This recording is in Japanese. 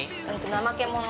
◆ナマケモノ。